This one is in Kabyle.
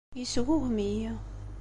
Yesgugem-iyi.